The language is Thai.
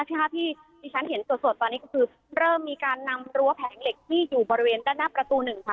ภาพที่ที่ฉันเห็นสดตอนนี้ก็คือเริ่มมีการนำรั้วแผงเหล็กที่อยู่บริเวณด้านหน้าประตูหนึ่งค่ะ